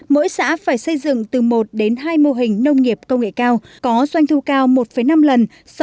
mỗi xã phải xây dựng từ một đến hai mô hình nông nghiệp công nghệ cao có doanh thu cao một năm lần